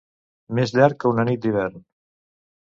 Més llarg que una nit d'hivern.